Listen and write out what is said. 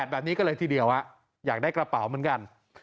แบบนี้ก็เลยทีเดียวอยากได้กระเป๋าเหมือนกัน